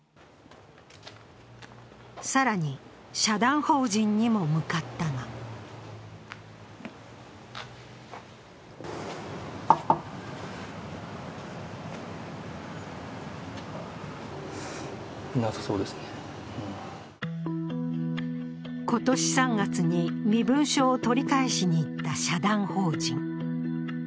更に、社団法人にも向かったが今年３月に身分証を取り返しに行った社団法人。